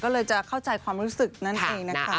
ก็เลยจะเข้าใจความรู้สึกนั่นเองนะคะ